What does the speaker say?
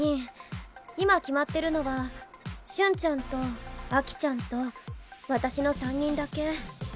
今決まってるのは瞬ちゃんとアキちゃんと私の３人だけ。